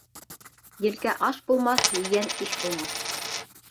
Елкә аш булмаҫ, ейән иш булмаҫ.